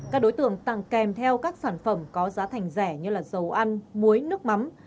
các đối tượng tặng kèm theo các sản phẩm có giá thành rẻ như dầu ăn muối nước mắm